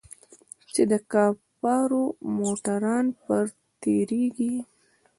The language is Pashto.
چې د کفارو موټران پر تېرېږي.